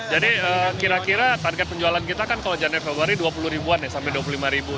kira kira target penjualan kita kan kalau januari februari dua puluh ribuan ya sampai dua puluh lima ribu